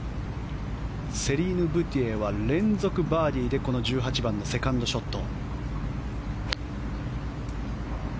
セリーヌ・ブティエは連続バーディーでこの１８番のセカンドショット。